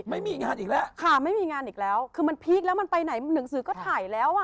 ไม่มีงานอีกแล้วค่ะไม่มีงานอีกแล้วคือมันพีคแล้วมันไปไหนหนังสือก็ถ่ายแล้วอ่ะ